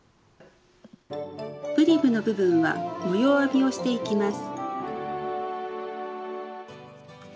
ブリムの部分は模様編みをしていきます。